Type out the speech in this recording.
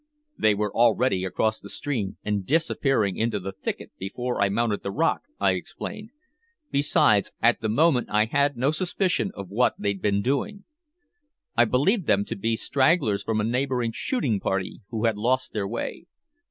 "They were already across the stream, and disappearing into the thicket before I mounted the rock," I explained. "Besides, at the moment I had no suspicion of what they'd been doing. I believed them to be stragglers from a neighboring shooting party who had lost their way."